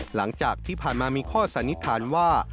หลังจากที่ผ่านมามีข้อสันนิษฐานว่า